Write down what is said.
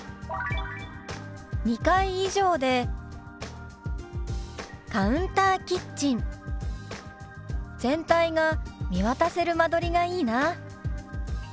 「２階以上でカウンターキッチン全体が見渡せる間取りがいいな」。